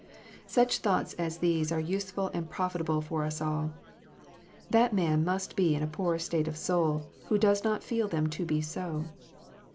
Such thoughts as these are useful and profitable for us all. That man must be in a poor state of soul who does not feel them to be so.